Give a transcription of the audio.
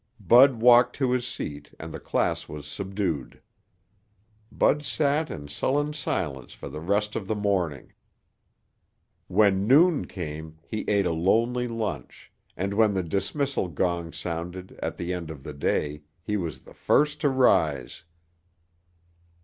Bud walked to his seat and the class was subdued. Bud sat in sullen silence for the rest of the morning. When noon came, he ate a lonely lunch and when the dismissal gong sounded at the end of the day he was the first to rise.